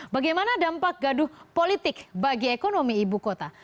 bagaimana dampak gaduh politik bagi ekonomi ibu kota